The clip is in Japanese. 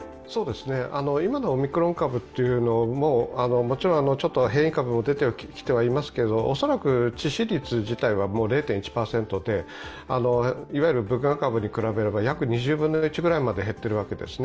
今のオミクロン株というのももちろんちょっと変異株も出てきてはいますけれども、恐らく致死率事態は０．１％ぐらいでいわゆる部分株に比べれば約２分の１まで減っているわけです。